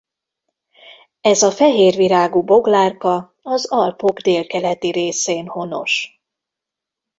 Ez a fehér virágú boglárka az Alpok délkeleti részén honos.